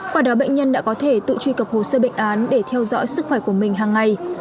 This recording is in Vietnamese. quả đó bệnh nhân đã có thể tự truy cập hồ sơ bệnh án để theo dõi sức khỏe của mình hàng ngày